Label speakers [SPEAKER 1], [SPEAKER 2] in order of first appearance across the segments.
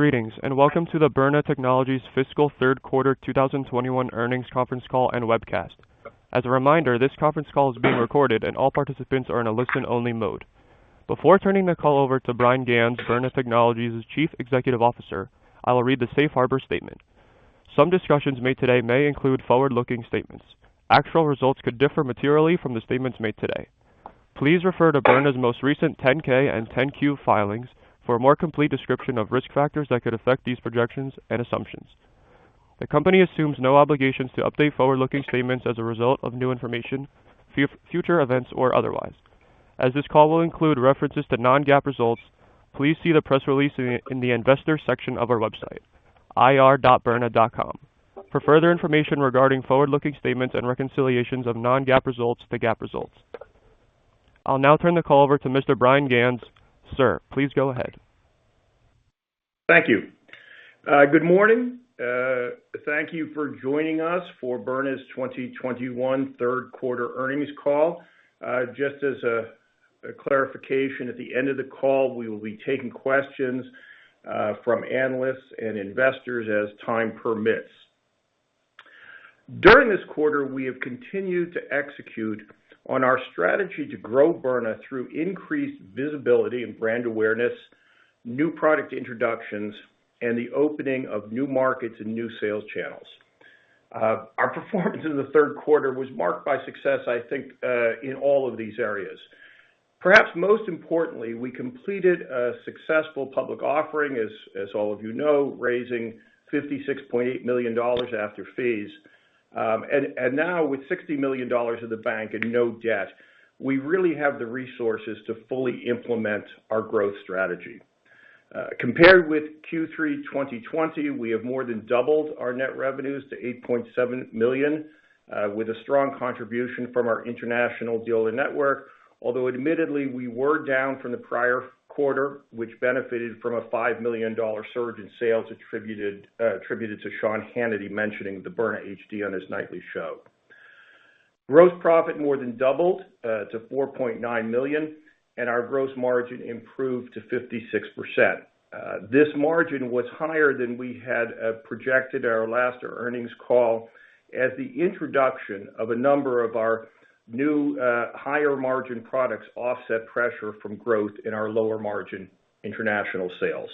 [SPEAKER 1] Greetings, welcome to the Byrna Technologies fiscal Third Quarter 2021 Earnings Conference Call and Webcast. As a reminder, this conference call is being recorded, and all participants are in a listen-only mode. Before turning the call over to Bryan Ganz, Byrna Technologies' Chief Executive Officer, I will read the safe harbor statement. Some discussions made today may include forward-looking statements. Actual results could differ materially from the statements made today. Please refer to Byrna's most recent 10-K and 10-Q filings for a more complete description of risk factors that could affect these projections and assumptions. The company assumes no obligations to update forward-looking statements as a result of new information, future events, or otherwise. As this call will include references to non-GAAP results, please see the press release in the investors section of our website, ir.byrna.com. For further information regarding forward-looking statements and reconciliations of non-GAAP results to GAAP results. I'll now turn the call over to Mr. Bryan Ganz. Sir, please go ahead.
[SPEAKER 2] Thank you. Good morning. Thank you for joining us for Byrna's 2021 Third Quarter Earnings Call. Just as a clarification, at the end of the call, we will be taking questions from analysts and investors as time permits. During this quarter, we have continued to execute on our strategy to grow Byrna through increased visibility and brand awareness, new product introductions, and the opening of new markets and new sales channels. Our performance in the third quarter was marked by success, I think, in all of these areas. Perhaps most importantly, we completed a successful public offering, as all of you know, raising $56.8 million after fees. Now with $60 million in the bank and no debt, we really have the resources to fully implement our growth strategy. Compared with Q3 2020, we have more than doubled our net revenues to $8.7 million, with a strong contribution from our international dealer network. Although admittedly, we were down from the prior quarter, which benefited from a $5 million surge in sales attributed to Sean Hannity mentioning the Byrna HD on his nightly show. Gross profit more than doubled to $4.9 million, and our gross margin improved to 56%. This margin was higher than we had projected at our last earnings call, as the introduction of a number of our new, higher margin products offset pressure from growth in our lower margin international sales.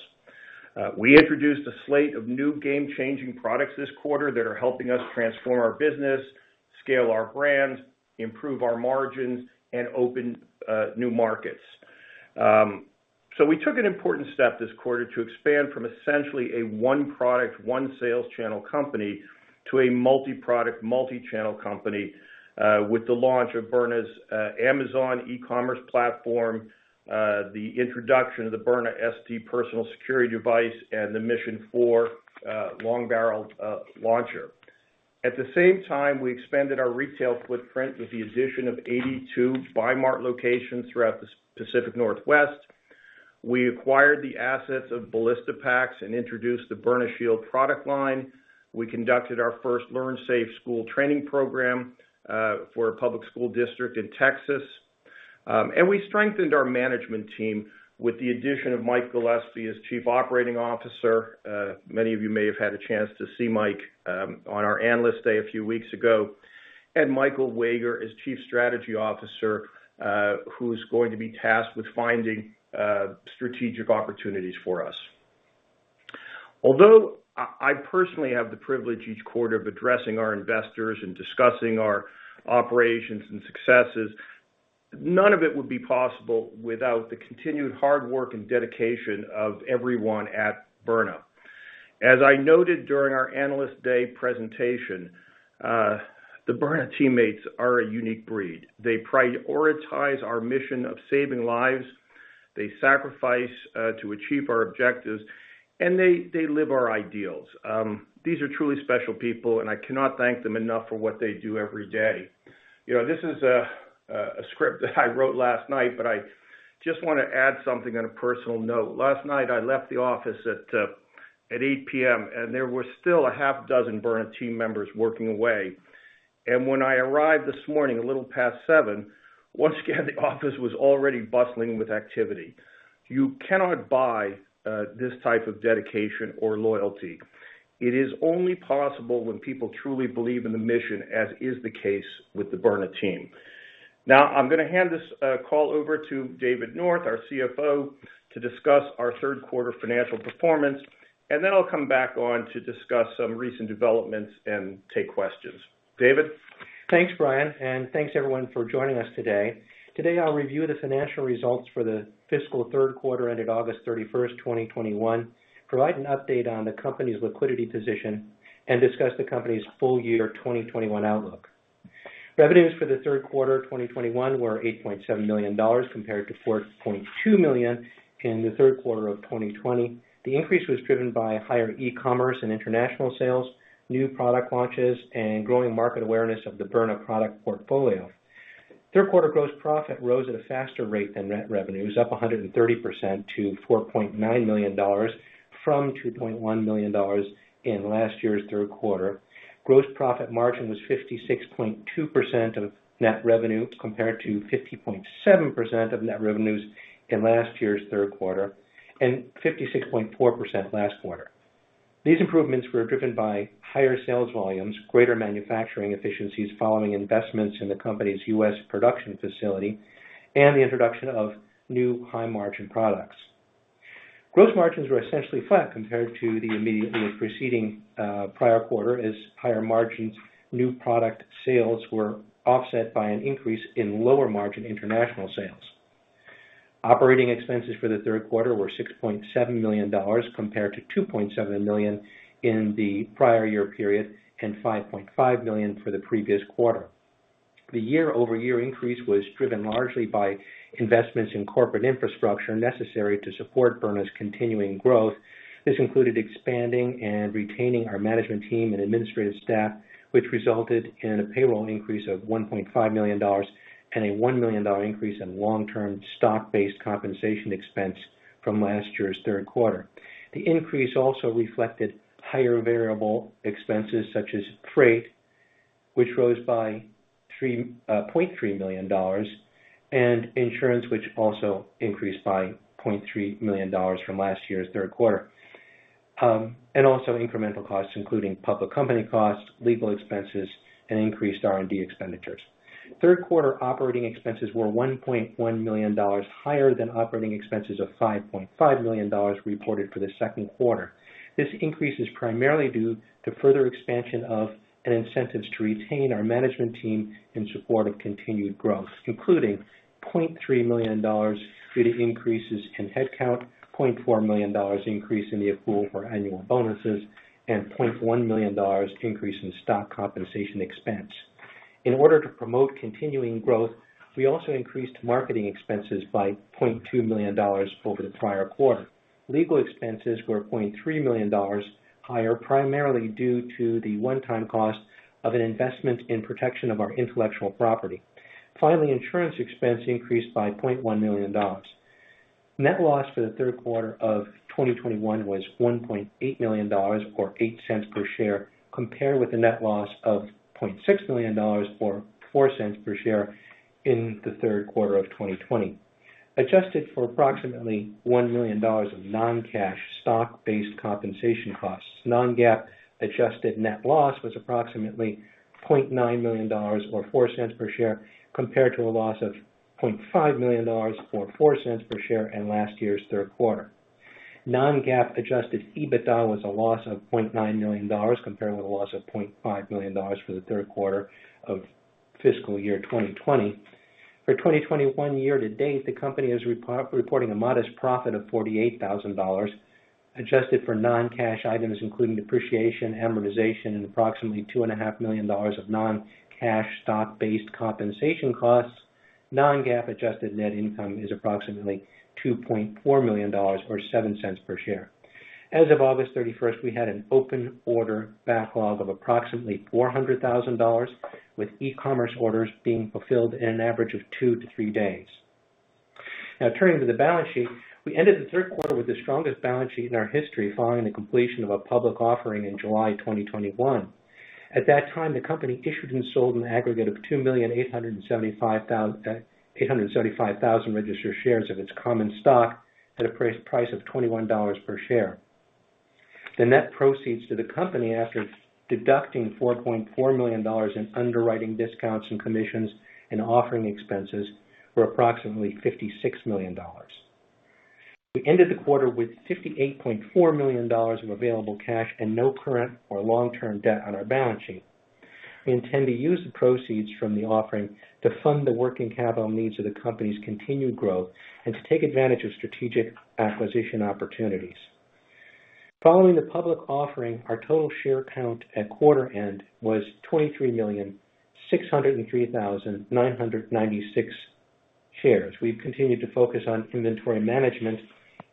[SPEAKER 2] We introduced a slate of new game-changing products this quarter that are helping us transform our business, scale our brands, improve our margins, and open new markets. We took an important step this quarter to expand from essentially a one-product, one-sales channel company to a multi-product, multi-channel company, with the launch of Byrna's Amazon e-commerce platform, the introduction of the Byrna SD personal security device, and the Mission 4 long-barrel launcher. At the same time, we expanded our retail footprint with the addition of 82 Bi-Mart locations throughout the Pacific Northwest. We acquired the assets of Ballistipax and introduced the Byrna Shield product line. We conducted our first Learn Safe school training program, for a public school district in Texas. We strengthened our management team with the addition of Mike Gillespie as Chief Operating Officer. Many of you may have had a chance to see Mike on our Analyst Day a few weeks ago, and Michael Wager as Chief Strategy Officer, who's going to be tasked with finding strategic opportunities for us. Although I personally have the privilege each quarter of addressing our investors and discussing our operations and successes, none of it would be possible without the continued hard work and dedication of everyone at Byrna. As I noted during our Analyst Day presentation, the Byrna teammates are a unique breed. They prioritize our mission of saving lives, they sacrifice to achieve our objectives, and they live our ideals. These are truly special people, I cannot thank them enough for what they do every day. This is a script that I wrote last night, I just want to add something on a personal note. Last night, I left the office at 8:00 P.M. There were still a half-dozen Byrna team members working away. When I arrived this morning a little past 7:00 A.M., once again, the office was already bustling with activity. You cannot buy this type of dedication or loyalty. It is only possible when people truly believe in the mission, as is the case with the Byrna team. Now, I'm going to hand this call over to David North, our Chief Financial Officer, to discuss our third quarter financial performance, and then I'll come back on to discuss some recent developments and take questions. David?
[SPEAKER 3] Thanks, Bryan, and thanks everyone for joining us today. Today, I'll review the financial results for the fiscal third quarter ended August 31st, 2021, provide an update on the company's liquidity position, and discuss the company's full year 2021 outlook. Revenues for the third quarter 2021 were $8.7 million, compared to $4.2 million in the third quarter of 2020. The increase was driven by higher e-commerce and international sales, new product launches, and growing market awareness of the Byrna product portfolio. Third quarter gross profit rose at a faster rate than net revenues, up 130% to $4.9 million from $2.1 million in last year's third quarter. Gross profit margin was 56.2% of net revenue, compared to 50.7% of net revenues in last year's third quarter, and 56.4% last quarter. These improvements were driven by higher sales volumes, greater manufacturing efficiencies following investments in the company's U.S. production facility, and the introduction of new high-margin products. Gross margins were essentially flat compared to the immediately preceding prior quarter, as higher margins new product sales were offset by an increase in lower-margin international sales. Operating expenses for the third quarter were $6.7 million, compared to $2.7 million in the prior year period and $5.5 million for the previous quarter. The YoY increase was driven largely by investments in corporate infrastructure necessary to support Byrna's continuing growth. This included expanding and retaining our management team and administrative staff, which resulted in a payroll increase of $1.5 million and a $1 million increase in long-term stock-based compensation expense from last year's third quarter. The increase also reflected higher variable expenses such as freight, which rose by $3.3 million, and insurance, which also increased by $0.3 million from last year's third quarter. Also incremental costs, including public company costs, legal expenses, and increased R&D expenditures. Third quarter operating expenses were $1.1 million higher than operating expenses of $5.5 million reported for the second quarter. This increase is primarily due to further expansion of, and incentives to retain our management team in support of continued growth, including $0.3 million due to increases in headcount, $0.4 million increase in the pool for annual bonuses, and $0.1 million increase in stock compensation expense. In order to promote continuing growth, we also increased marketing expenses by $0.2 million over the prior quarter. Legal expenses were $0.3 million higher, primarily due to the one-time cost of an investment in protection of our intellectual property. Finally, insurance expense increased by $0.1 million. Net loss for the third quarter of 2021 was $1.8 million, or $0.08 per share, compared with the net loss of $0.6 million or $0.04 per share in the third quarter of 2020. Adjusted for approximately $1 million of non-cash stock-based compensation costs, non-GAAP adjusted net loss was approximately $0.9 million or $0.04 per share, compared to a loss of $0.5 million or $0.04 per share in last year's third quarter. Non-GAAP Adjusted EBITDA was a loss of $0.9 million, compared with a loss of $0.5 million for the third quarter of fiscal year 2020. For 2021 year to date, the company is reporting a modest profit of $48,000, adjusted for non-cash items including depreciation, amortization, and approximately $2.5 million of non-cash stock-based compensation costs. Non-GAAP adjusted net income is approximately $2.4 million or $0.07 per share. As of August 31st, we had an open order backlog of approximately $400,000, with e-commerce orders being fulfilled in an average of two to three days. Turning to the balance sheet. We ended the third quarter with the strongest balance sheet in our history, following the completion of a public offering in July 2021. At that time, the company issued and sold an aggregate of 2,875,000 registered shares of its common stock at a price of $21 per share. The net proceeds to the company, after deducting $4.4 million in underwriting discounts and commissions and offering expenses, were approximately $56 million. We ended the quarter with $58.4 million of available cash and no current or long-term debt on our balance sheet. We intend to use the proceeds from the offering to fund the working capital needs of the company's continued growth and to take advantage of strategic acquisition opportunities. Following the public offering, our total share count at quarter end was 23,603,996 shares. We've continued to focus on inventory management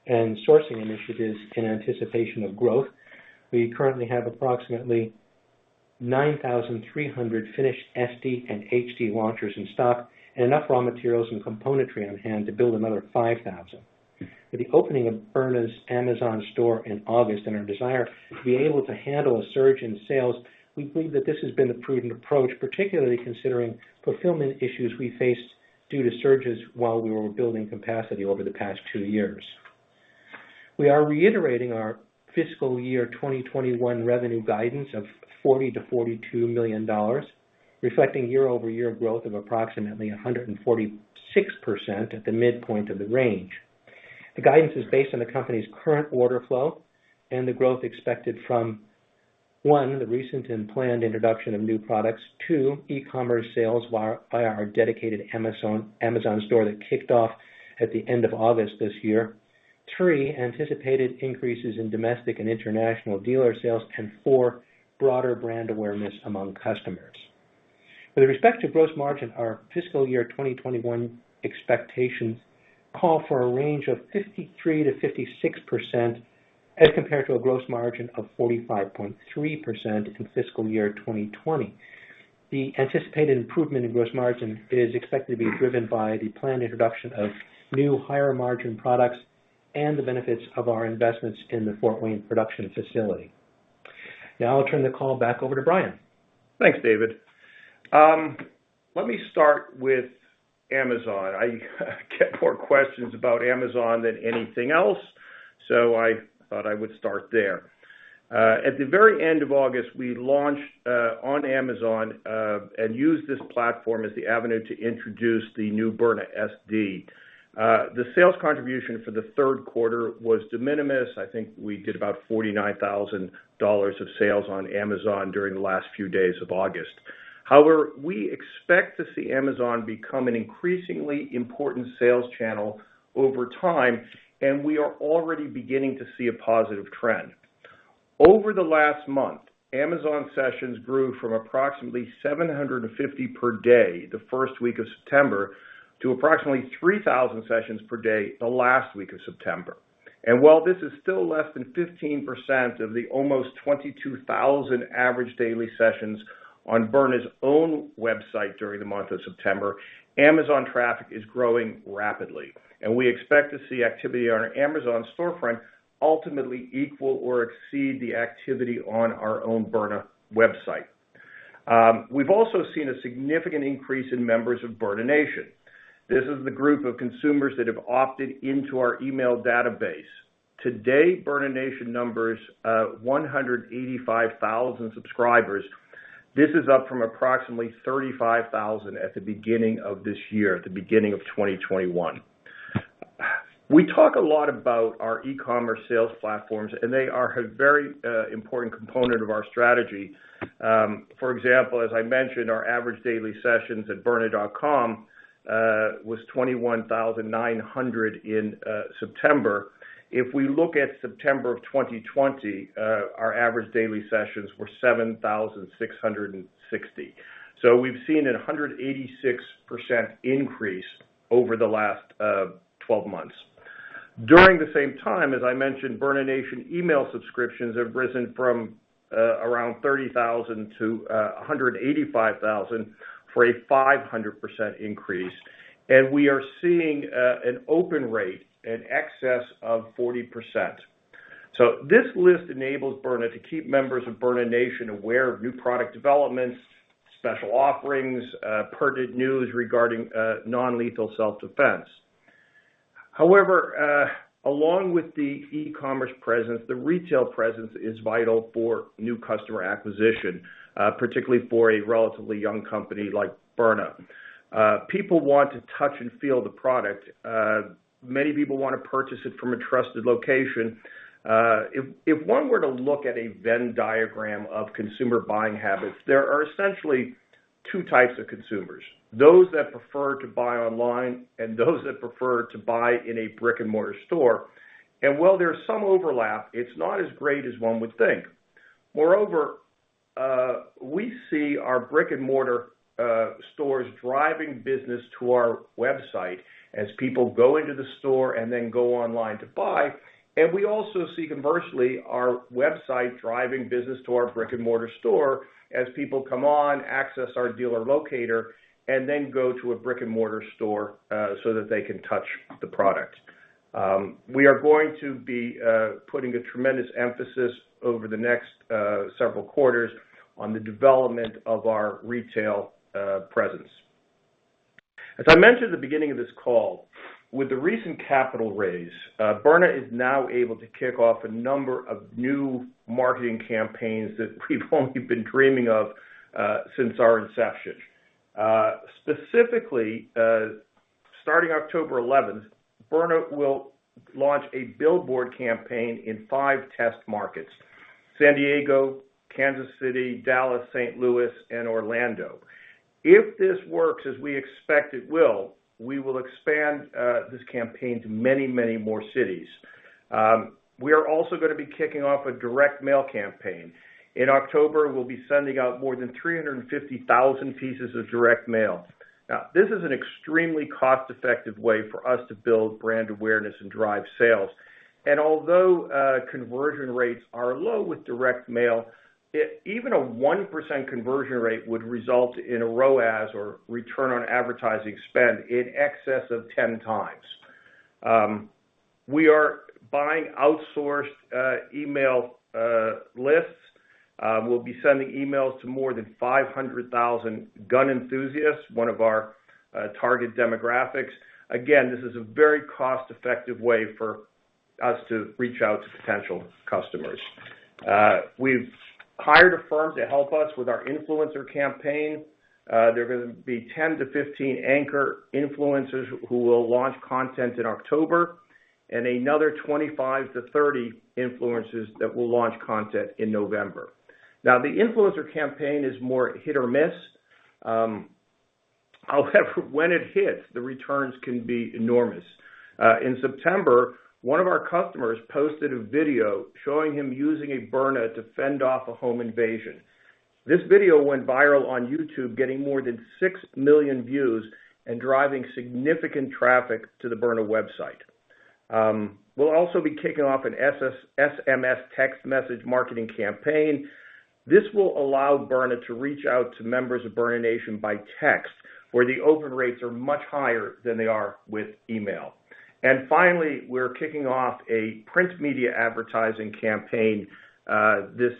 [SPEAKER 3] and sourcing initiatives in anticipation of growth. We currently have approximately 9,300 finished Byrna SD and Byrna HD launchers in stock and enough raw materials and componentry on hand to build another 5,000. With the opening of Byrna's Amazon store in August and our desire to be able to handle a surge in sales, we believe that this has been a prudent approach, particularly considering fulfillment issues we faced due to surges while we were building capacity over the past two years. We are reiterating our fiscal year 2021 revenue guidance of $40 million-$42 million, reflecting YoY growth of approximately 146% at the midpoint of the range. The guidance is based on the company's current order flow and the growth expected from, one, the recent and planned introduction of new products. Two, e-commerce sales via our dedicated Amazon store that kicked off at the end of August this year. Three, anticipated increases in domestic and international dealer sales. Four, broader brand awareness among customers. With respect to gross margin, our fiscal year 2021 expectations call for a range of 53%-56%, as compared to a gross margin of 45.3% in fiscal year 2020. The anticipated improvement in gross margin is expected to be driven by the planned introduction of new higher-margin products and the benefits of our investments in the Fort Wayne production facility. I'll turn the call back over to Bryan.
[SPEAKER 2] Thanks, David. Let me start with Amazon. I get more questions about Amazon than anything else. I thought I would start there. At the very end of August, we launched on Amazon. We used this platform as the avenue to introduce the new Byrna SD. The sales contribution for the third quarter was de minimis. I think we did about $49,000 of sales on Amazon during the last few days of August. However, we expect to see Amazon become an increasingly important sales channel over time. We are already beginning to see a positive trend. Over the last month, Amazon sessions grew from approximately 750 per day, the first week of September, to approximately 3,000 sessions per day, the last week of September. While this is still less than 15% of the almost 22,000 average daily sessions on Byrna's own website during the month of September, Amazon traffic is growing rapidly, and we expect to see activity on our Amazon storefront ultimately equal or exceed the activity on our own Byrna website. We've also seen a significant increase in members of Byrna Nation. This is the group of consumers that have opted into our email database. Today, Byrna Nation numbers 185,000 subscribers. This is up from approximately 35,000 at the beginning of this year, at the beginning of 2021. We talk a lot about our e-commerce sales platforms, and they are a very important component of our strategy. For example, as I mentioned, our average daily sessions at byrna.com was 21,900 in September. If we look at September of 2020, our average daily sessions were 7,660. We've seen a 186% increase over the last 12 months. During the same time, as I mentioned, Byrna Nation email subscriptions have risen from around 30,000-185,000 for a 500% increase. We are seeing an open rate in excess of 40%. This list enables Byrna to keep members of Byrna Nation aware of new product developments, special offerings, pertinent news regarding non-lethal self-defense. However, along with the e-commerce presence, the retail presence is vital for new customer acquisition, particularly for a relatively young company like Byrna. People want to touch and feel the product. Many people want to purchase it from a trusted location. If one were to look at a Venn diagram of consumer buying habits, there are essentially two types of consumers, those that prefer to buy online and those that prefer to buy in a brick-and-mortar store. While there's some overlap, it's not as great as one would think. Moreover, we see our brick-and-mortar stores driving business to our website as people go into the store and then go online to buy. We also see, conversely, our website driving business to our brick-and-mortar store as people come on, access our dealer locator, and then go to a brick-and-mortar store, so that they can touch the product. We are going to be putting a tremendous emphasis over the next several quarters on the development of our retail presence. As I mentioned at the beginning of this call, with the recent capital raise, Byrna is now able to kick off a number of new marketing campaigns that we've only been dreaming of since our inception. Specifically, starting October 11th, Byrna will launch a billboard campaign in five test markets: San Diego, Kansas City, Dallas, St. Louis, and Orlando. If this works as we expect it will, we will expand this campaign to many, many more cities. We are also going to be kicking off a direct mail campaign. In October, we'll be sending out more than 350,000 pieces of direct mail. Now, this is an extremely cost-effective way for us to build brand awareness and drive sales. Although conversion rates are low with direct mail, even a 1% conversion rate would result in a ROAS, or Return on Advertising Spend, in excess of 10 times. We are buying outsourced email lists. We'll be sending emails to more than 500,000 gun enthusiasts, one of our target demographics. Again, this is a very cost-effective way for us to reach out to potential customers. We've hired a firm to help us with our influencer campaign. There are going to be 10-15 anchor influencers who will launch content in October, and another 25-30 influencers that will launch content in November. The influencer campaign is more hit or miss. When it hits, the returns can be enormous. In September, one of our customers posted a video showing him using a Byrna to fend off a home invasion. This video went viral on YouTube, getting more than six million views and driving significant traffic to the Byrna website. We'll also be kicking off an SMS text message marketing campaign. This will allow Byrna to reach out to members of Byrna Nation by text, where the open rates are much higher than they are with email. Finally, we're kicking off a print media advertising campaign this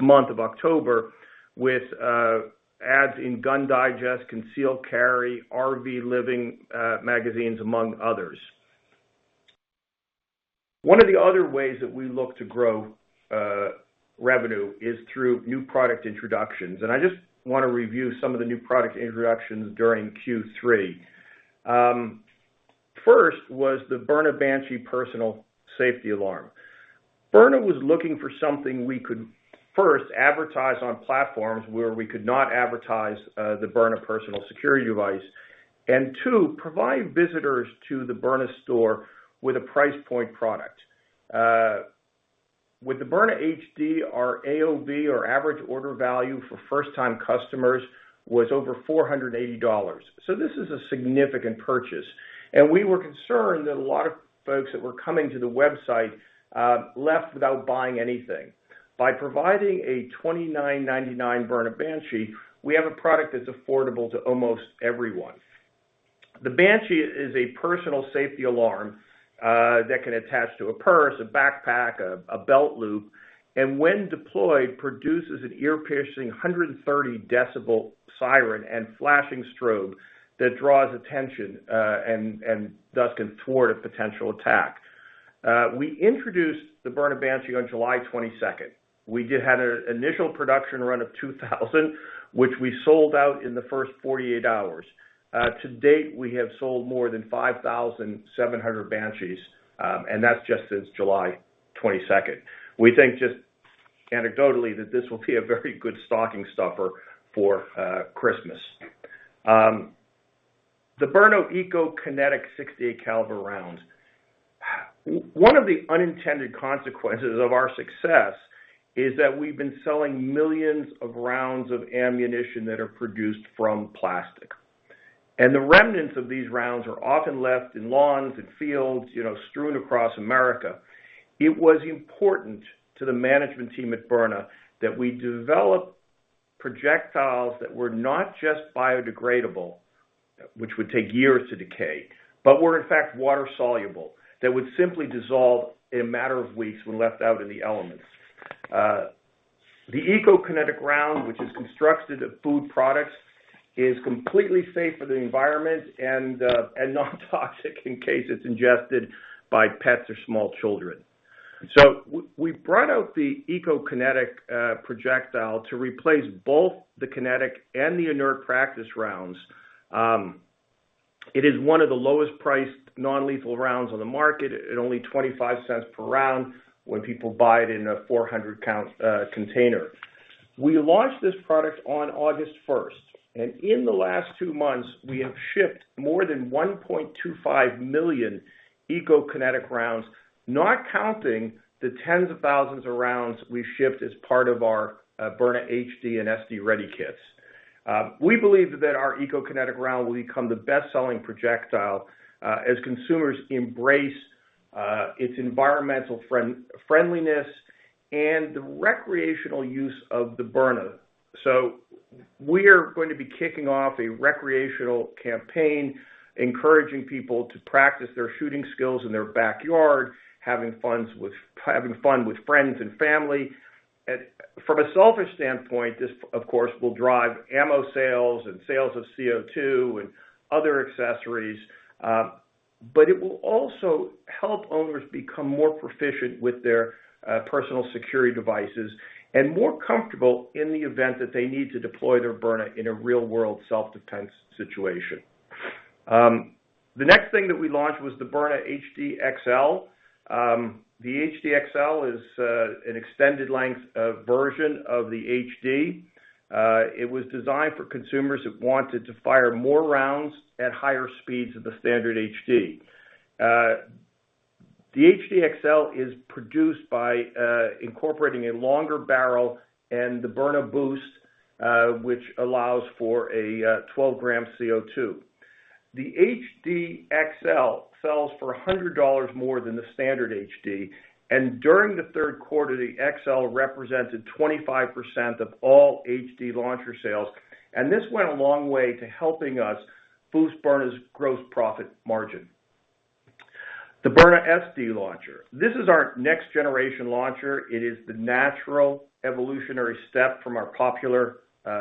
[SPEAKER 2] month of October with ads in Gun Digest, Concealed Carry, RV Living magazines, among others. One of the other ways that we look to grow revenue is through new product introductions, I just want to review some of the new product introductions during Q3. First was the Byrna Banshee personal safety alarm. Byrna was looking for something we could, first, advertise on platforms where we could not advertise the Byrna personal security device. Two, provide visitors to the Byrna store with a price point product. With the Byrna HD, our AOV, or Average Order Value, for first-time customers was over $480. This is a significant purchase. We were concerned that a lot of folks that were coming to the website left without buying anything. By providing a $29.99 Byrna Banshee, we have a product that's affordable to almost everyone. The Banshee is a personal safety alarm that can attach to a purse, a backpack, a belt loop, and when deployed, produces an ear-piercing 130 dB siren and flashing strobe that draws attention, and thus can thwart a potential attack. We introduced the Byrna Banshee on July 22nd. We did have an initial production run of 2,000, which we sold out in the first 48 hours. To date, we have sold more than 5,700 Banshees, and that's just since July 22nd. We think, just anecdotally, that this will be a very good stocking stuffer for Christmas. The Byrna Eco-Kinetic .68 caliber round. One of the unintended consequences of our success is that we've been selling millions of rounds of ammunition that are produced from plastic, and the remnants of these rounds are often left in lawns and fields strewn across America. It was important to the management team at Byrna that we develop projectiles that were not just biodegradable, which would take years to decay, but were in fact water-soluble, that would simply dissolve in a matter of weeks when left out in the elements. The Eco-Kinetic round, which is constructed of food products, is completely safe for the environment and non-toxic in case it's ingested by pets or small children. We brought out the Eco-Kinetic projectile to replace both the kinetic and the inert practice rounds. It is one of the lowest priced non-lethal rounds on the market at only $0.25 per round when people buy it in a 400-count container. We launched this product on August 1st. In the last two months, we have shipped more than 1.25 million Byrna Eco-Kinetic rounds, not counting the tens of thousands of rounds we've shipped as part of our Byrna HD and Byrna SD Ready Kits. We believe that our Byrna Eco-Kinetic round will become the best-selling projectile as consumers embrace its environmental friendliness and the recreational use of the Byrna. We're going to be kicking off a recreational campaign encouraging people to practice their shooting skills in their backyard, having fun with friends and family. From a selfish standpoint, this of course will drive ammo sales, and sales of CO2, and other accessories. It will also help owners become more proficient with their personal security devices and more comfortable in the event that they need to deploy their Byrna in a real-world self-defense situation. The next thing that we launched was the Byrna HD XL. The HD XL is an extended length version of the HD. It was designed for consumers who wanted to fire more rounds at higher speeds than the standard HD. The HD XL is produced by incorporating a longer barrel and the Byrna Boost, which allows for a 12 g CO2. The HD XL sells for $100 more than the standard HD, and during the third quarter, the XL represented 25% of all HD launcher sales. This went a long way to helping us boost Byrna's gross profit margin. The Byrna SD launcher. This is our next-generation launcher. It is the natural evolutionary step from our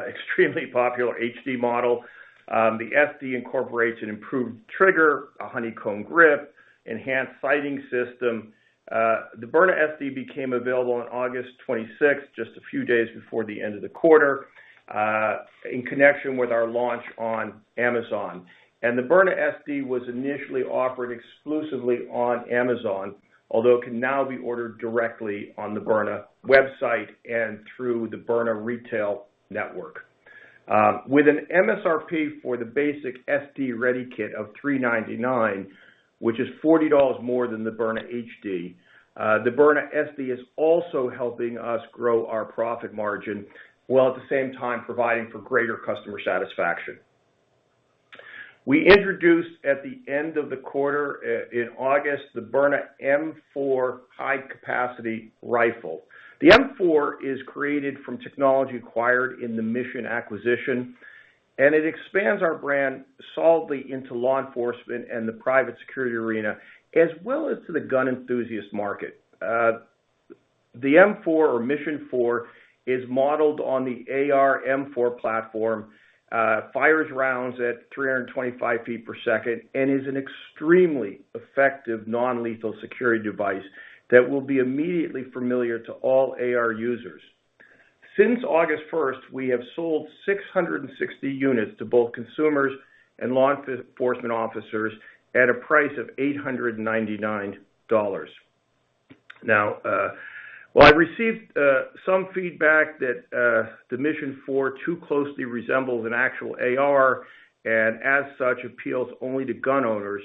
[SPEAKER 2] extremely popular HD model. The SD incorporates an improved trigger, a honeycomb grip, enhanced sighting system. The Byrna SD became available on August 26th, just a few days before the end of the quarter, in connection with our launch on Amazon. The Byrna SD was initially offered exclusively on Amazon, although it can now be ordered directly on the Byrna website and through the Byrna retail network. With an MSRP for the basic Byrna SD Ready Kit of $399, which is $40 more than the Byrna HD, the Byrna SD is also helping us grow our profit margin, while at the same time providing for greater customer satisfaction. We introduced at the end of the quarter, in August, the Byrna M4 high-capacity rifle. The M4 is created from technology acquired in the Mission acquisition. It expands our brand solidly into law enforcement and the private security arena, as well as to the gun enthusiast market. The M4, or Mission 4, is modeled on the AR M4 platform, fires rounds at 325 ft/s. It is an extremely effective non-lethal security device that will be immediately familiar to all AR users. Since August 1st, we have sold 660 units to both consumers and law enforcement officers at a price of $899. Now, while I received some feedback that the Mission 4 too closely resembles an actual AR, and as such, appeals only to gun owners,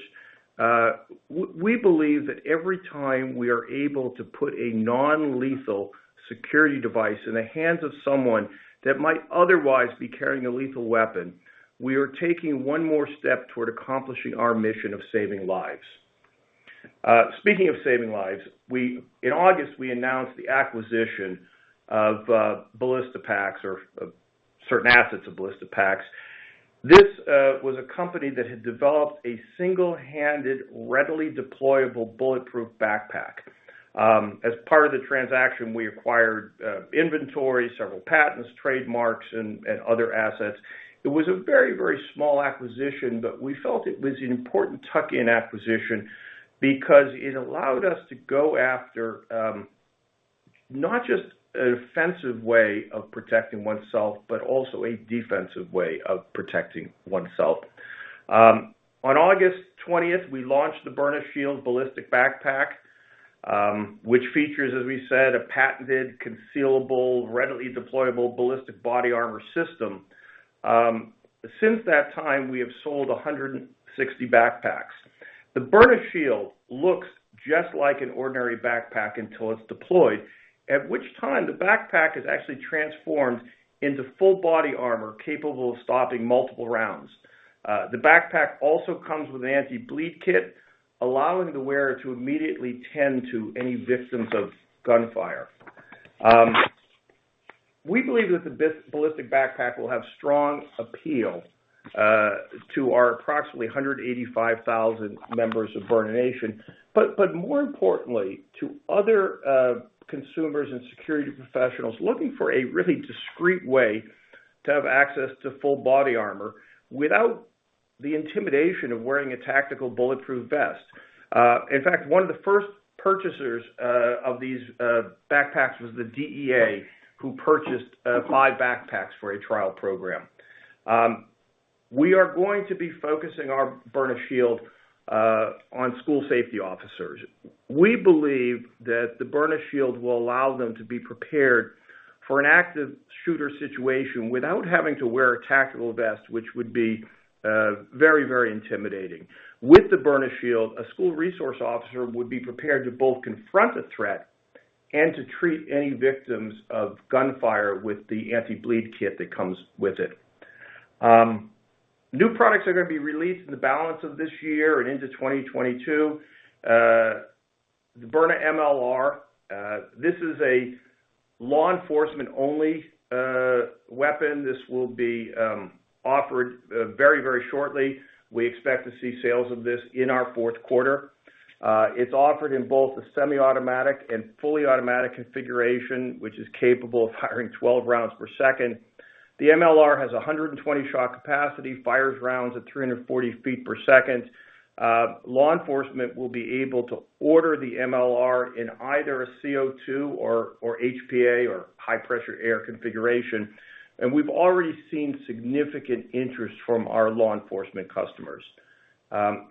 [SPEAKER 2] we believe that every time we are able to put a non-lethal security device in the hands of someone that might otherwise be carrying a lethal weapon, we are taking one more step toward accomplishing our mission of saving lives. Speaking of saving lives, in August, we announced the acquisition of Ballistipax, or certain assets of Ballistipax. This was a company that had developed a single-handed, readily deployable bulletproof backpack. As part of the transaction, we acquired inventory, several patents, trademarks, and other assets. It was a very, very small acquisition, but we felt it was an important tuck-in acquisition because it allowed us to go after not just an offensive way of protecting oneself, but also a defensive way of protecting oneself. On August 20th, we launched the Byrna Shield ballistic backpack, which features, as we said, a patented, concealable, readily deployable ballistic body armor system. Since that time, we have sold 160 backpacks. The Byrna Shield looks just like an ordinary backpack until it is deployed, at which time the backpack is actually transformed into full body armor, capable of stopping multiple rounds. The backpack also comes with an anti-bleed kit, allowing the wearer to immediately tend to any victims of gunfire. We believe that the ballistic backpack will have strong appeal to our approximately 185,000 members of Byrna Nation, but more importantly, to other consumers and security professionals looking for a really discreet way to have access to full body armor without the intimidation of wearing a tactical bulletproof vest. In fact, one of the first purchasers of these backpacks was the DEA, who purchased five backpacks for a trial program. We are going to be focusing our Byrna Shield on school safety officers. We believe that the Byrna Shield will allow them to be prepared for an active shooter situation without having to wear a tactical vest, which would be very, very intimidating. With the Byrna Shield, a school resource officer would be prepared to both confront a threat and to treat any victims of gunfire with the anti-bleed kit that comes with it. New products are going to be released in the balance of this year and into 2022. The Byrna MLR. This is a law enforcement-only weapon. This will be offered very, very shortly. We expect to see sales of this in our fourth quarter. It's offered in both a semi-automatic and fully automatic configuration, which is capable of firing 12 rounds per second. The MLR has 120-shot capacity, fires rounds at 340 ft/s. Law enforcement will be able to order the MLR in either a CO2 or HPA, or High-Pressure Air, configuration, and we've already seen significant interest from our law enforcement customers.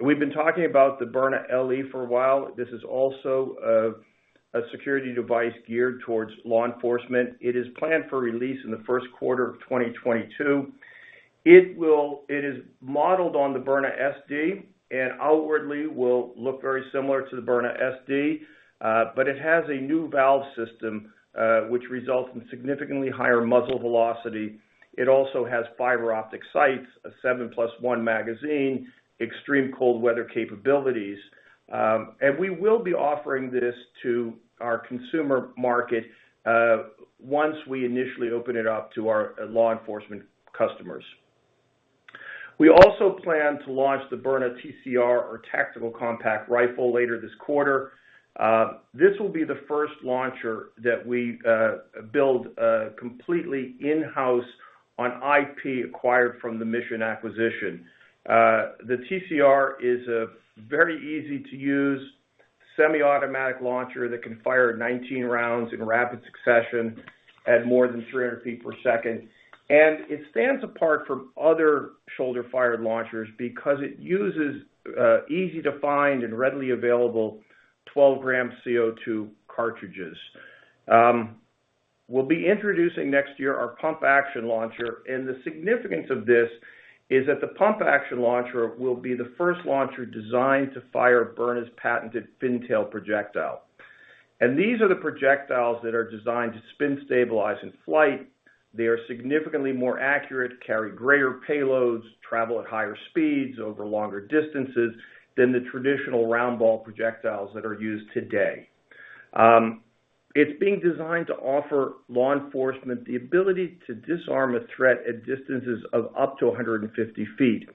[SPEAKER 2] We've been talking about the Byrna LE for a while. This is also a security device geared towards law enforcement. It is planned for release in the first quarter of 2022. It is modeled on the Byrna SD, and outwardly will look very similar to the Byrna SD. It has a new valve system, which results in significantly higher muzzle velocity. It also has fiber optic sights, a 7+1 magazine, extreme cold weather capabilities, and we will be offering this to our consumer market, once we initially open it up to our law enforcement customers. We also plan to launch the Byrna TCR, or Tactical Compact Rifle, later this quarter. This will be the first launcher that we build completely in-house on IP acquired from the Mission acquisition. The Byrna TCR is a very easy-to-use semi-automatic launcher that can fire 19 rounds in rapid succession at more than 300 ft/s. It stands apart from other shoulder-fired launchers because it uses easy-to-find and readily available 12 g CO2 cartridges. We'll be introducing next year our Pump Action Launcher. The significance of this is that the Pump Action Launcher will be the first launcher designed to fire Byrna's patented fin tail projectile. These are the projectiles that are designed to spin-stabilize in flight. They are significantly more accurate, carry greater payloads, travel at higher speeds over longer distances than the traditional round-ball projectiles that are used today. It's being designed to offer law enforcement the ability to disarm a threat at distances of up to 150 ft.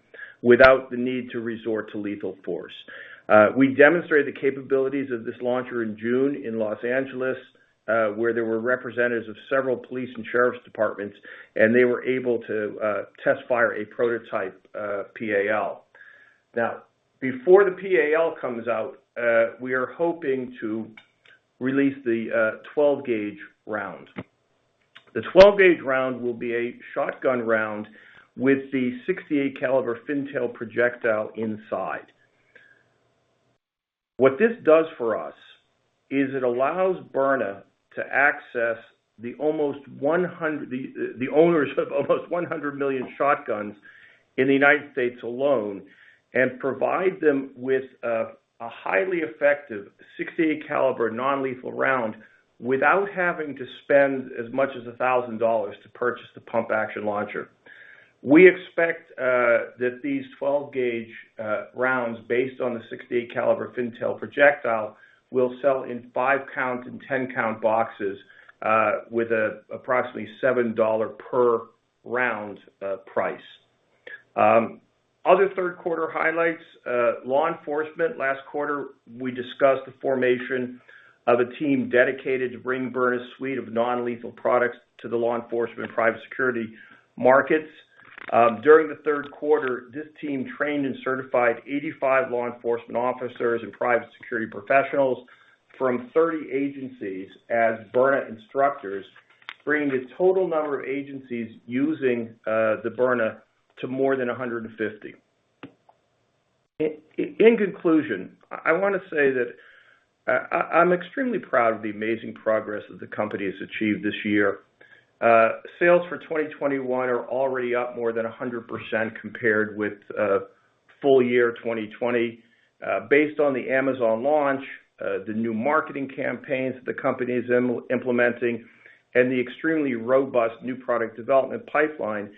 [SPEAKER 2] Without the need to resort to lethal force. We demonstrated the capabilities of this launcher in June in Los Angeles, where there were representatives of several police and sheriff's departments, and they were able to test-fire a prototype PAL. Before the PAL comes out, we are hoping to release the 12 gauge round. The 12 gauge round will be a shotgun round with the .68 caliber fin-tailed projectile inside. What this does for us is it allows Byrna to access the owners of almost 100 million shotguns in the U.S. alone, and provide them with a highly effective .68 caliber non-lethal round without having to spend as much as $1,000 to purchase the pump-action launcher. We expect that these 12 gauge rounds, based on the .68 caliber fin-tailed projectile, will sell in five-count and 10-count boxes with approximately $7 per round price. Other third quarter highlights, law enforcement. Last quarter, we discussed the formation of a team dedicated to bringing Byrna's suite of non-lethal products to the law enforcement and private security markets. During the third quarter, this team trained and certified 85 law enforcement officers and private security professionals from 30 agencies as Byrna instructors, bringing the total number of agencies using the Byrna to more than 150. In conclusion, I want to say that I'm extremely proud of the amazing progress that the company has achieved this year. Sales for 2021 are already up more than 100% compared with full year 2020. Based on the Amazon launch, the new marketing campaigns the company is implementing, and the extremely robust new product development pipeline,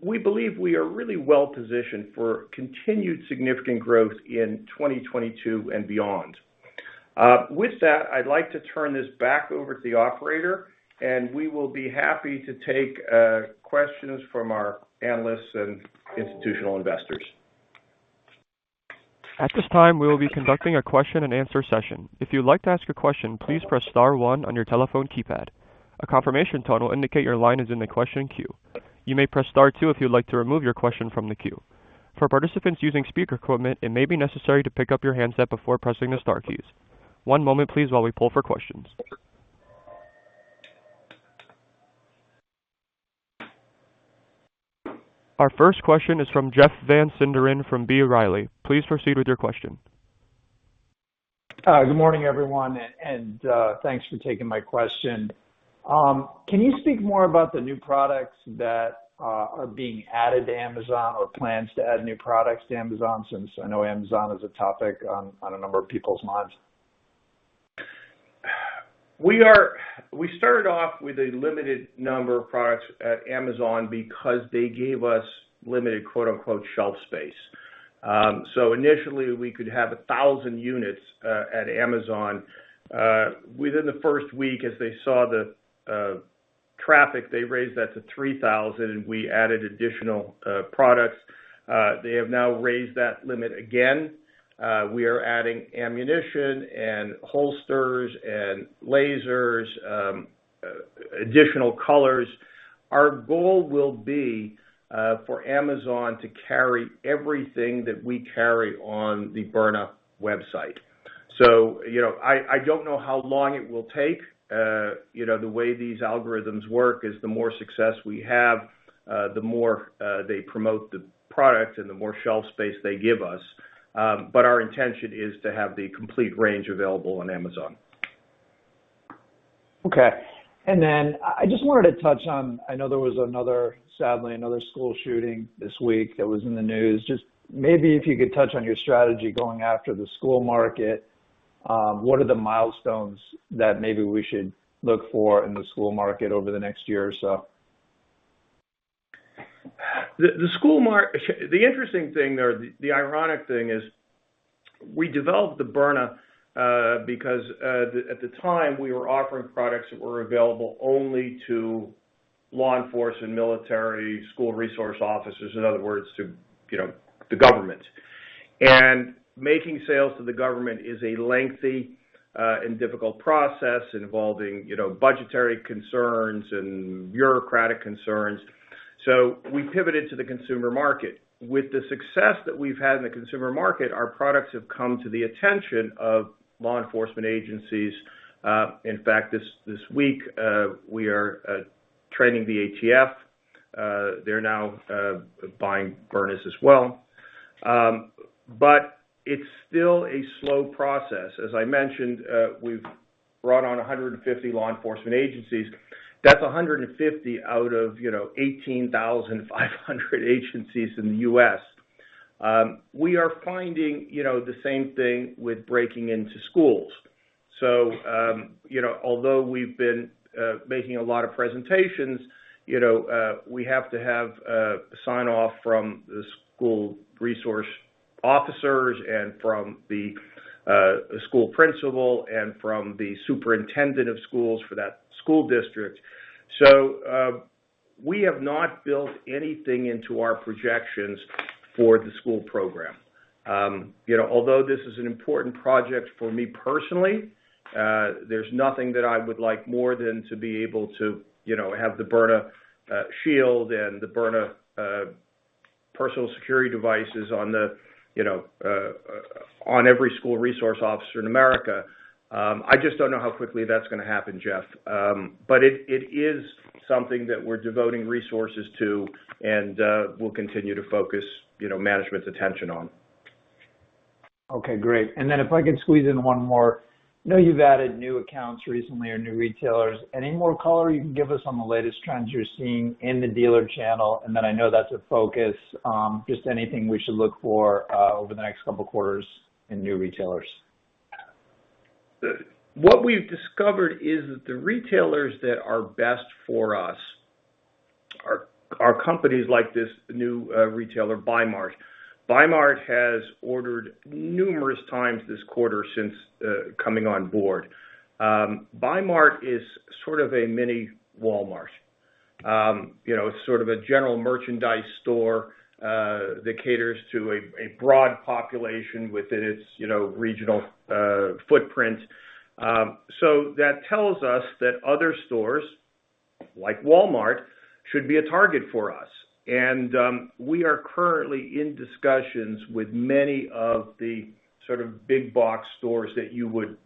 [SPEAKER 2] we believe we are really well-positioned for continued significant growth in 2022 and beyond. With that, I'd like to turn this back over to the operator, and we will be happy to take questions from our analysts and institutional investors.
[SPEAKER 1] At this time, we will be conducting a question and answer session. If you'd like to ask a question, please press star one on your telephone keypad. A confirmation tone will indicate your line is in the question queue. You may press star two if you'd like to remove your question from the queue. For participants using speaker equipment, it may be necessary to pick up your handset before pressing the star keys. One moment please while we pull for questions. Our first question is from Jeff Van Sinderen from B. Riley. Please proceed with your question.
[SPEAKER 4] Good morning, everyone, and thanks for taking my question. Can you speak more about the new products that are being added to Amazon, or plans to add new products to Amazon, since I know Amazon is a topic on a number of people's minds?
[SPEAKER 2] We started off with a limited number of products at Amazon because they gave us limited, quote unquote, shelf space. Initially, we could have 1,000 units at Amazon. Within the first week, as they saw the traffic, they raised that to 3,000, and we added additional products. They have now raised that limit again. We are adding ammunition and holsters and lasers, additional colors. Our goal will be for Amazon to carry everything that we carry on the Byrna website. I don't know how long it will take. The way these algorithms work is the more success we have, the more they promote the product and the more shelf space they give us. Our intention is to have the complete range available on Amazon.
[SPEAKER 4] Okay. I just wanted to touch on, I know there was sadly another school shooting this week that was in the news. Just maybe if you could touch on your strategy going after the school market. What are the milestones that maybe we should look for in the school market over the next year or so?
[SPEAKER 2] The interesting thing there, the ironic thing is, we developed the Byrna, because at the time, we were offering products that were available only to law enforcement, military, school resource officers, in other words, to the government. Making sales to the government is a lengthy and difficult process involving budgetary concerns and bureaucratic concerns. We pivoted to the consumer market. With the success that we've had in the consumer market, our products have come to the attention of law enforcement agencies. In fact, this week, we are training the ATF. They're now buying Byrnas as well. It's still a slow process. As I mentioned, we've brought on 150 law enforcement agencies. That's 150 out of 18,500 agencies in the U.S. We are finding the same thing with breaking into schools. Although we've been =making a lot of presentations, we have to have sign-off from the school resource officers and from the school principal and from the superintendent of schools for that school district. We have not built anything into our projections for the school program. Although this is an important project for me personally, there's nothing that I would like more than to be able to have the Byrna Shield and the Byrna personal security devices on every school resource officer in America. I just don't know how quickly that's going to happen, Jeff. It is something that we're devoting resources to, and we'll continue to focus management's attention on.
[SPEAKER 4] Okay, great. Then if I could squeeze in one more. I know you've added new accounts recently, or new retailers. Any more color you can give us on the latest trends you're seeing in the dealer channel? Then I know that's a focus, just anything we should look for over the next couple of quarters in new retailers.
[SPEAKER 2] What we've discovered is that the retailers that are best for us are companies like this new retailer, Bi-Mart. Bi-Mart has ordered numerous times this quarter since coming on board. Bi-Mart is sort of a mini Walmart. It's sort of a general merchandise store that caters to a broad population within its regional footprint. That tells us that other stores, like Walmart, should be a target for us. We are currently in discussions with many of the sort of big-box stores that you would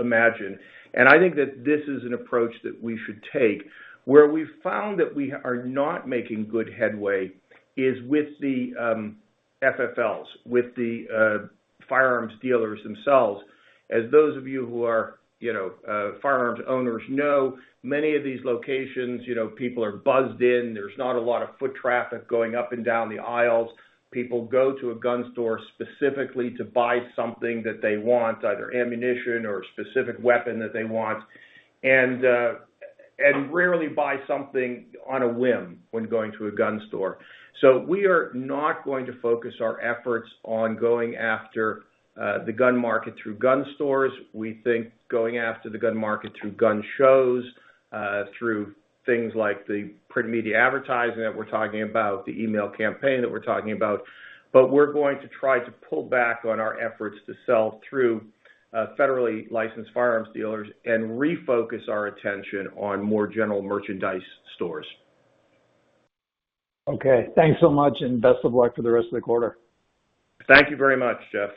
[SPEAKER 2] imagine. I think that this is an approach that we should take. Where we've found that we are not making good headway is with the FFLs, with the firearms dealers themselves. As those of you who are firearms owners know, many of these locations, people are buzzed in. There's not a lot of foot traffic going up and down the aisles. People go to a gun store specifically to buy something that they want, either ammunition or a specific weapon that they want, and rarely buy something on a whim when going to a gun store. We are not going to focus our efforts on going after the gun market through gun stores. We think going after the gun market through gun shows, through things like the print media advertising that we're talking about, the email campaign that we're talking about, but we're going to try to pull back on our efforts to sell through federally licensed firearms dealers and refocus our attention on more general merchandise stores.
[SPEAKER 4] Okay. Thanks so much, and best of luck for the rest of the quarter.
[SPEAKER 2] Thank you very much, Jeff.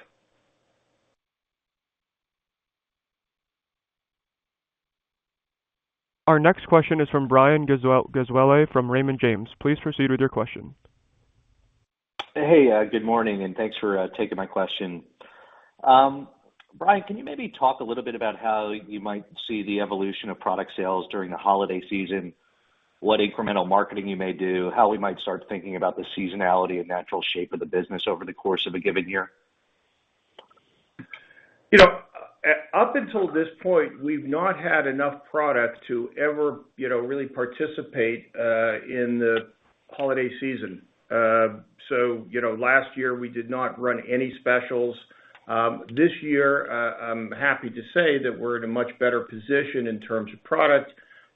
[SPEAKER 1] Our next question is from Brian Gesuale from Raymond James. Please proceed with your question.
[SPEAKER 5] Hey, good morning. Thanks for taking my question. Bryan, can you maybe talk a little bit about how you might see the evolution of product sales during the holiday season, what incremental marketing you may do, how we might start thinking about the seasonality and natural shape of the business over the course of a given year?
[SPEAKER 2] Up until this point, we've not had enough product to ever really participate in the holiday season. Last year, we did not run any specials. This year, I'm happy to say that we're in a much better position in terms of product.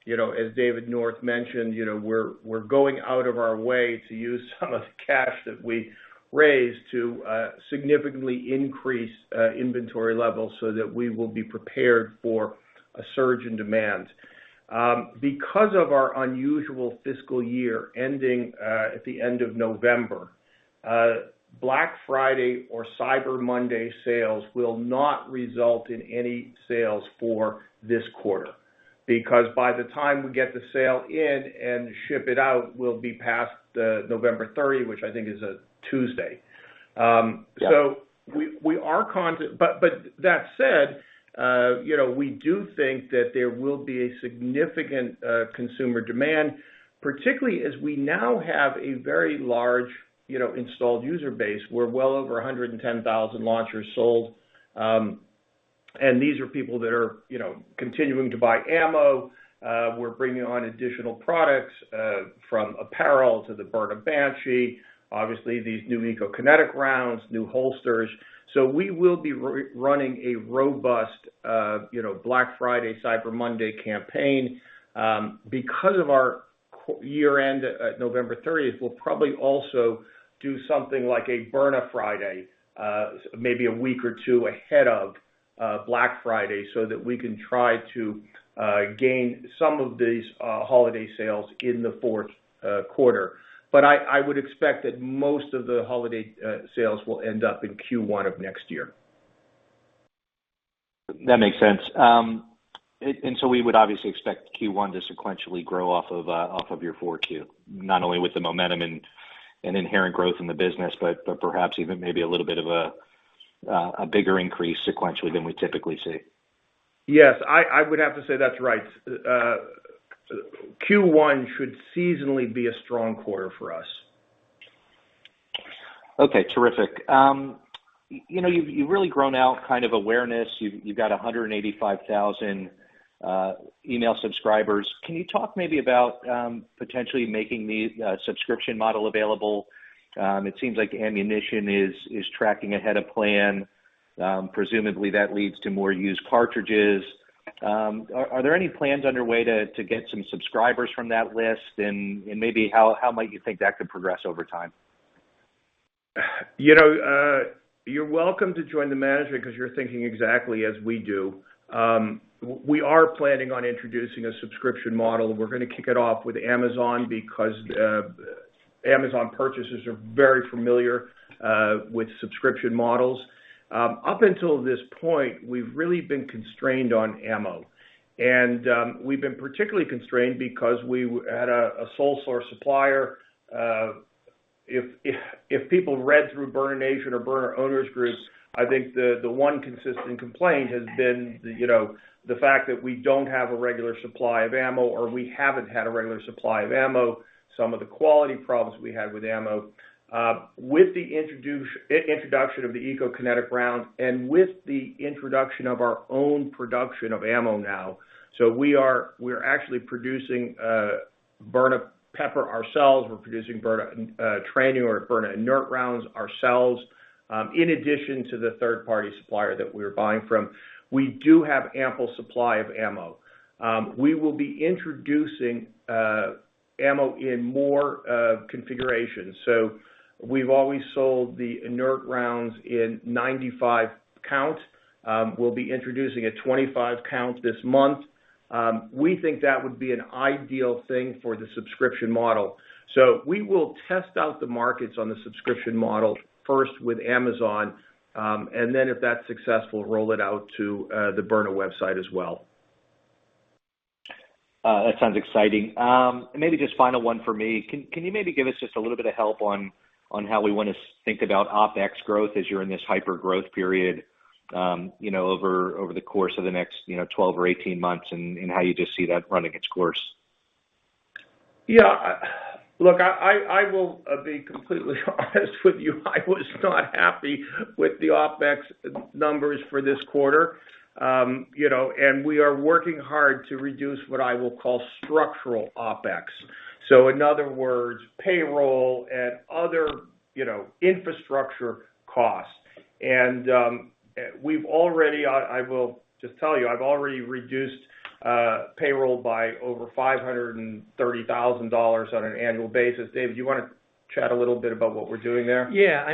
[SPEAKER 2] As David North mentioned, we're going out of our way to use some of the cash that we raised to significantly increase inventory levels so that we will be prepared for a surge in demand. Because of our unusual fiscal year ending at the end of November, Black Friday or Cyber Monday sales will not result in any sales for this quarter, because by the time we get the sale in and ship it out, we will be past November 30, which I think is a Tuesday.
[SPEAKER 5] Yeah.
[SPEAKER 2] That said, we do think that there will be a significant consumer demand, particularly as we now have a very large installed user base. We're well over 110,000 launchers sold, and these are people that are continuing to buy ammo. We're bringing on additional products, from apparel to the Byrna Banshee, obviously these new Byrna Eco-Kinetic rounds, new holsters. We will be running a robust Black Friday, Cyber Monday campaign. Because of our year-end at November 30th, we'll probably also do something like a Byrna Friday, maybe a week or two ahead of Black Friday, so that we can try to gain some of these holiday sales in the fourth quarter. I would expect that most of the holiday sales will end up in Q1 of next year.
[SPEAKER 5] That makes sense. We would obviously expect Q1 to sequentially grow off of your 4Q, not only with the momentum and inherent growth in the business, but perhaps even maybe a little bit of a bigger increase sequentially than we typically see.
[SPEAKER 2] Yes. I would have to say that's right. Q1 should seasonally be a strong quarter for us.
[SPEAKER 5] Okay. Terrific. You've really grown out awareness. You've got 185,000 email subscribers. Can you talk maybe about potentially making the subscription model available? It seems like ammunition is tracking ahead of plan. Presumably, that leads to more used cartridges. Are there any plans underway to get some subscribers from that list? Maybe how might you think that could progress over time?
[SPEAKER 2] You're welcome to join the management because you're thinking exactly as we do. We are planning on introducing a subscription model. We're going to kick it off with Amazon because Amazon purchasers are very familiar with subscription models. Up until this point, we've really been constrained on ammo. We've been particularly constrained because we had a sole source supplier. If people read through Byrna Nation or Byrna Owners Groups, I think the one consistent complaint has been the fact that we don't have a regular supply of ammo, or we haven't had a regular supply of ammo. Some of the quality problems we had with ammo. With the introduction of the Eco-Kinetic round and with the introduction of our own production of ammo now, so we're actually producing Byrna Pepper ourselves. We're producing Byrna training or Byrna inert rounds ourselves, in addition to the third-party supplier that we're buying from. We do have ample supply of ammo. We will be introducing ammo in more configurations. We've always sold the inert rounds in 95 count. We'll be introducing a 25 count this month. We think that would be an ideal thing for the subscription model. We will test out the markets on the subscription model first with Amazon, and then if that's successful, roll it out to the Byrna website as well.
[SPEAKER 5] That sounds exciting. Maybe just final one for me. Can you maybe give us just a little bit of help on how we want to think about OpEx growth as you're in this hyper-growth period over the course of the next 12 or 18 months, and how you just see that running its course?
[SPEAKER 2] Yeah. Look, I will be completely honest with you. I was not happy with the OpEx numbers for this quarter. We are working hard to reduce what I will call structural OpEx. In other words, payroll and other infrastructure costs. We've already, I will just tell you, I've already reduced payroll by over $530,000 on an annual basis. Dave, do you want to chat a little bit about what we're doing there?
[SPEAKER 3] Yeah.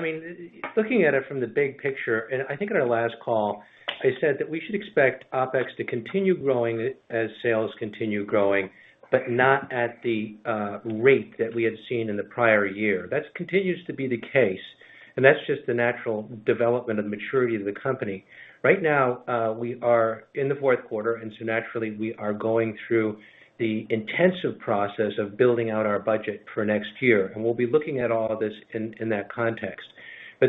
[SPEAKER 3] Looking at it from the big picture, I think in our last call, I said that we should expect OpEx to continue growing as sales continue growing, but not at the rate that we had seen in the prior year. That continues to be the case, that's just the natural development of maturity of the company. Right now, we are in the fourth quarter, naturally, we are going through the intensive process of building out our budget for next year. We'll be looking at all of this in that context.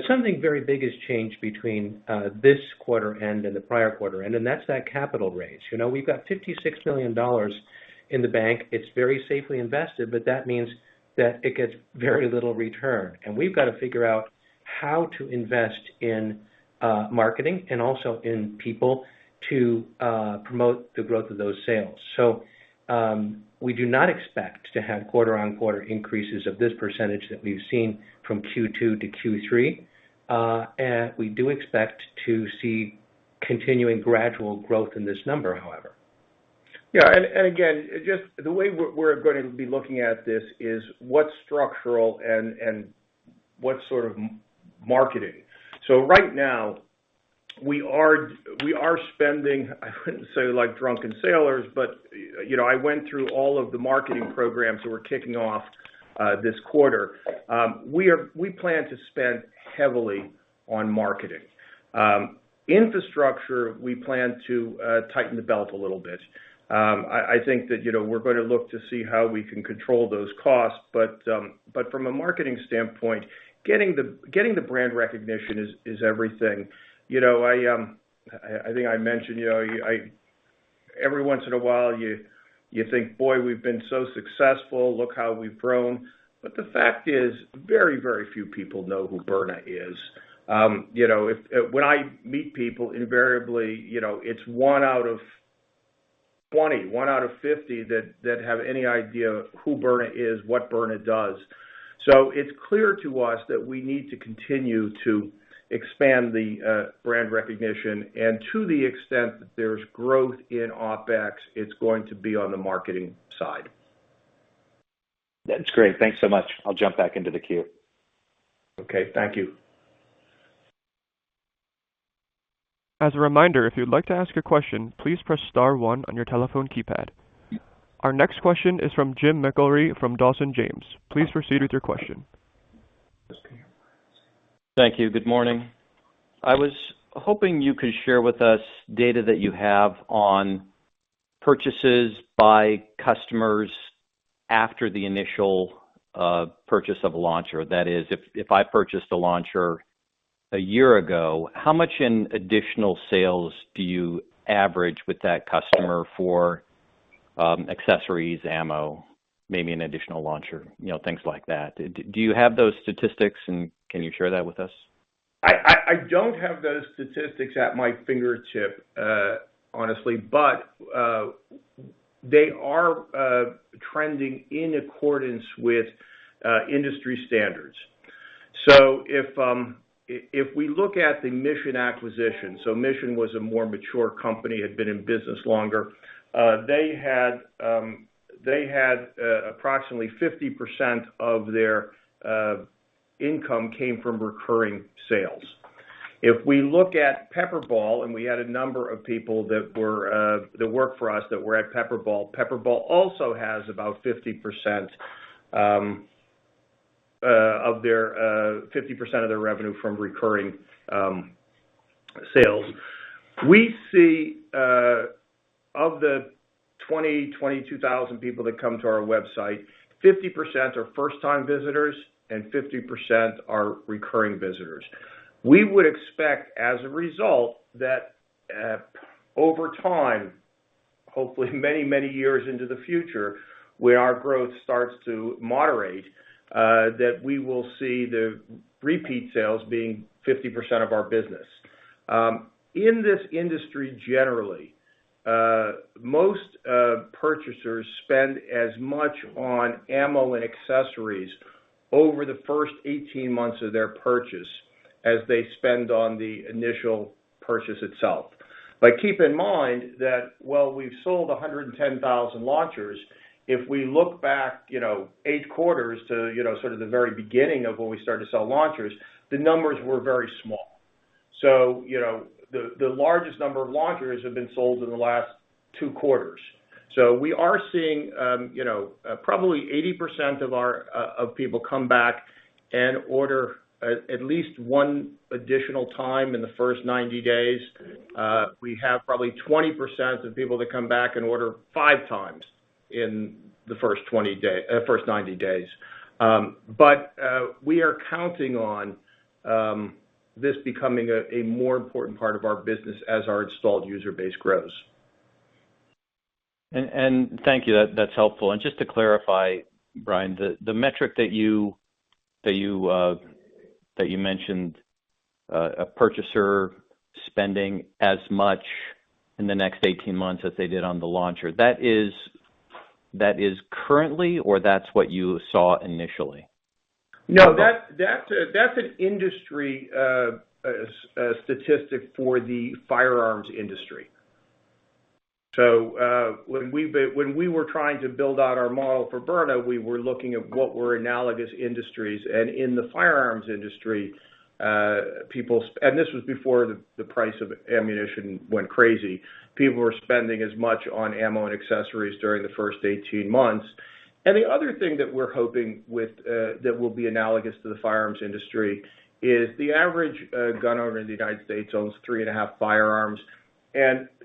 [SPEAKER 3] Something very big has changed between this quarter end and the prior quarter end, that's that capital raise. We've got $56 million in the bank. It's very safely invested, that means that it gets very little return. We've got to figure out how to invest in marketing and also in people to promote the growth of those sales. We do not expect to have quarter-on-quarter increases of this percentage that we've seen from Q2-Q3. We do expect to see continuing gradual growth in this number, however.
[SPEAKER 2] Yeah. Again, just the way we're going to be looking at this is what's structural and what's sort of marketing. Right now we are spending, I wouldn't say like drunken sailors, but I went through all of the marketing programs that we're kicking off this quarter. We plan to spend heavily on marketing. Infrastructure, we plan to tighten the belt a little bit. I think that we're going to look to see how we can control those costs. From a marketing standpoint, getting the brand recognition is everything. I think I mentioned, every once in a while, you think, "Boy, we've been so successful. Look how we've grown." The fact is, very few people know who Byrna is. When I meet people, invariably, it's one out of 20, one out of 50 that have any idea who Byrna is, what Byrna does. It's clear to us that we need to continue to expand the brand recognition, and to the extent that there's growth in OpEx, it's going to be on the marketing side.
[SPEAKER 5] That's great. Thanks so much. I'll jump back into the queue.
[SPEAKER 2] Okay. Thank you.
[SPEAKER 1] As a reminder, if you'd like to ask a question, please press star one on your telephone keypad. Our next question is from James McIlree from Dawson James. Please proceed with your question.
[SPEAKER 6] Thank you. Good morning. I was hoping you could share with us data that you have on purchases by customers after the initial purchase of a launcher. That is, if I purchased a launcher a year ago, how much in additional sales do you average with that customer for accessories, ammo, maybe an additional launcher, things like that. Do you have those statistics, and can you share that with us?
[SPEAKER 2] I don't have those statistics at my fingertip, honestly. They are trending in accordance with industry standards. If we look at the Mission acquisition, Mission was a more mature company, had been in business longer. They had approximately 50% of their income came from recurring sales. If we look at PepperBall, and we had a number of people that work for us that were at PepperBall. PepperBall also has about 50% of their revenue from recurring sales. We see of the 20,000-22,000 people that come to our website, 50% are first-time visitors and 50% are recurring visitors. We would expect, as a result, that over time, hopefully many, many years into the future, where our growth starts to moderate, that we will see the repeat sales being 50% of our business. In this industry generally, most purchasers spend as much on ammo and accessories over the first 18 months of their purchase as they spend on the initial purchase itself. Keep in mind that while we've sold 110,000 launchers, if we look back eight quarters to sort of the very beginning of when we started to sell launchers, the numbers were very small. The largest number of launchers have been sold in the last two quarters. We are seeing probably 80% of people come back and order at least one additional time in the first 90 days. We have probably 20% of people that come back and order five times in the first 90 days. We are counting on this becoming a more important part of our business as our installed user base grows.
[SPEAKER 6] Thank you. That's helpful. Just to clarify, Bryan, the metric that you mentioned, a purchaser spending as much in the next 18 months as they did on the launcher. That is currently, or that's what you saw initially?
[SPEAKER 2] That's an industry statistic for the firearms industry. When we were trying to build out our model for Byrna, we were looking at what were analogous industries. In the firearms industry, and this was before the price of ammunition went crazy, people were spending as much on ammo and accessories during the first 18 months. The other thing that we're hoping that will be analogous to the firearms industry is the average gun owner in the U.S. owns three and a half firearms.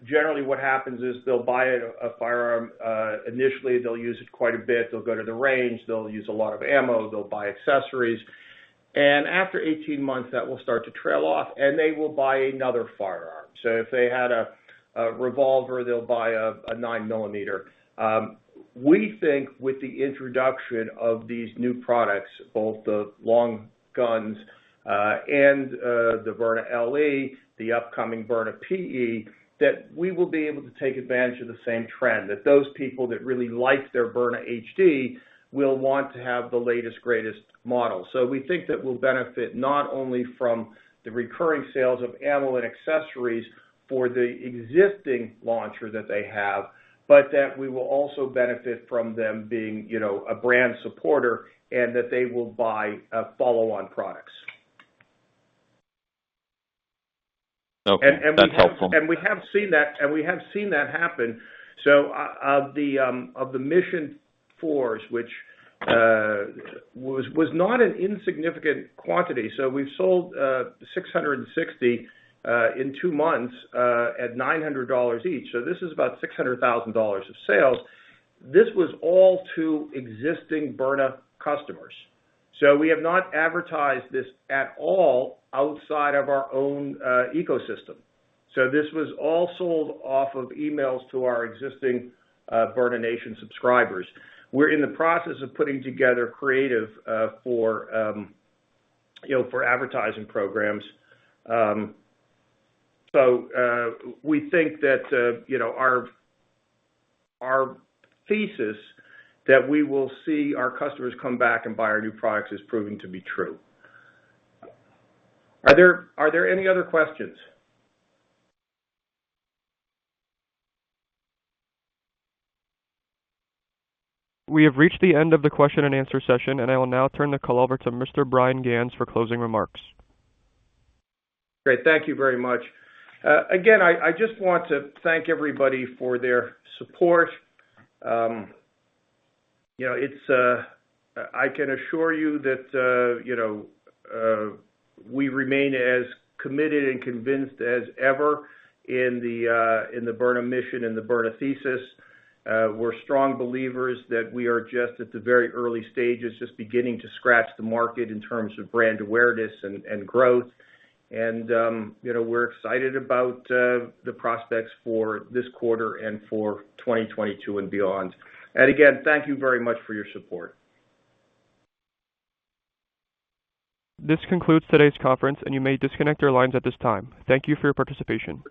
[SPEAKER 2] Generally, what happens is they'll buy a firearm. Initially, they'll use it quite a bit. They'll go to the range, they'll use a lot of ammo, they'll buy accessories. After 18 months, that will start to trail off, and they will buy another firearm. If they had a revolver, they'll buy a 9 mm. We think with the introduction of these new products, both the long guns, and the Byrna LE, the upcoming Byrna PE, that we will be able to take advantage of the same trend. Those people that really like their Byrna HD will want to have the latest, greatest model. We think that we'll benefit not only from the recurring sales of ammo and accessories for the existing launcher that they have, but that we will also benefit from them being a brand supporter and that they will buy follow-on products.
[SPEAKER 6] Okay. That's helpful.
[SPEAKER 2] We have seen that happen. Of the Mission 4s, which was not an insignificant quantity. We've sold 660 in two months, at $900 each. This is about $600,000 of sales. This was all to existing Byrna customers. We have not advertised this at all outside of our own ecosystem. This was all sold off of emails to our existing Byrna Nation subscribers. We're in the process of putting together creative for advertising programs. We think that our thesis that we will see our customers come back and buy our new products is proving to be true. Are there any other questions?
[SPEAKER 1] We have reached the end of the question and answer session, and I will now turn the call over to Mr. Bryan Ganz for closing remarks.
[SPEAKER 2] Great. Thank you very much. I just want to thank everybody for their support. I can assure you that we remain as committed and convinced as ever in the Byrna mission and the Byrna thesis. We're strong believers that we are just at the very early stages, just beginning to scratch the market in terms of brand awareness and growth. We're excited about the prospects for this quarter and for 2022 and beyond. Again, thank you very much for your support.
[SPEAKER 1] This concludes today's conference, and you may disconnect your lines at this time. Thank you for your participation.